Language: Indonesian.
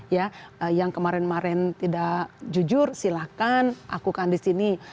ya yang kemarin kemarin tidak jujur silahkan aku kan di sini